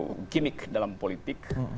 pengenik dalam politik